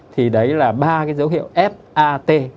thì đấy là ba cái dấu hiệu f a t